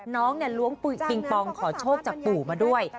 น้องล้วงปิงปองขอโชคจากปู่มาด้วย